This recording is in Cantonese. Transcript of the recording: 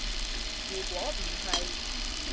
如果唔係